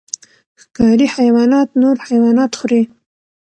ښکاري حیوانات نور حیوانات خوري